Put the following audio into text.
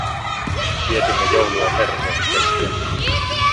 Vietimme joulua perheen kesken